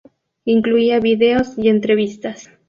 Incluía vídeos y entrevistas.